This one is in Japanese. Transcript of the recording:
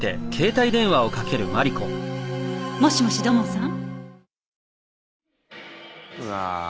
もしもし土門さん。